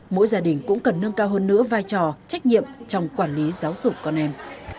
mỗi gia đình cũng cần nâng cao hơn nữa vai trò trách nhiệm trong quản lý giáo dục con em